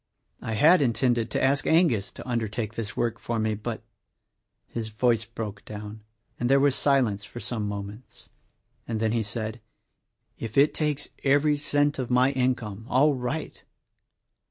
"I had intended to ask Angus to undertake this work for me, but —" his voice broke down and there was silence for some moments, and then he said, "If it takes every cent of my income — all right!